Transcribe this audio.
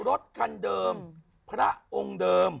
รถคันเดิมพระองค์เดิม